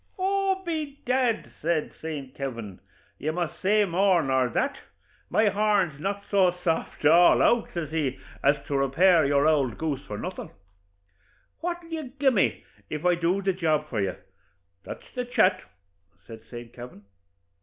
'Oh, by dad,' says St. Kavin, 'you must say more nor that my horn's not so soft all out,' says he, 'as to repair your ould goose for nothin'; what'll you gi' me if I do the job for you? that's the chat,' says St. Kavin.